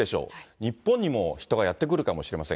日本にも人がやって来るかもしれません。